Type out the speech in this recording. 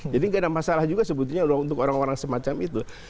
jadi enggak ada masalah juga sebetulnya untuk orang orang semacam itu